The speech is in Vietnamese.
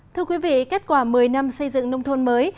thưa quý vị kết quả một mươi năm xây dựng nông thôn mới